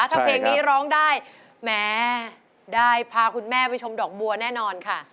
ถ้าเพลงนี้ร้องได้แหมได้พาคุณแม่ไปชมดอกบัวแน่นอนค่ะ